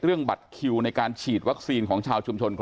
เรื่องบัตรคิวในการฉีดวัคซีนของชาวชุมชนครองเตย